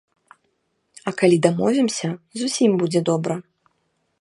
А калі дамовімся, зусім будзе добра.